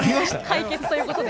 解決ということで。